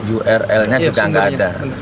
url nya juga nggak ada